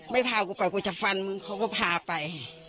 พากูไปกูจะฟันมึงเขาก็พาไป